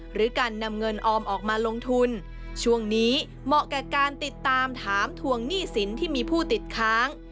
หรือการนำเงินออมออกมาลงทุนช่วงนี้เหมาะกับการติดตามถามทวงหนี้สินที่มีผู้ติดค้าง